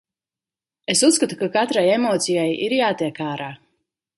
Es uzskatu, ka katrai emocija ir jātiek ārā.